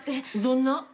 どんな？